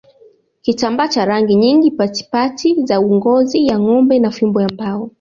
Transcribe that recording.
Kitambaa cha rangi nyingi patipati za ngozi ya ngombe na fimbo ya mbao